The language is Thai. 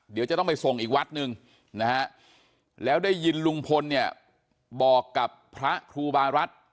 เดี๋ยวจะต้องไปส่งอีกวัดหนึ่งนะฮะแล้วได้ยินลุงพลเนี่ยบอกกับพระครูบารัฐ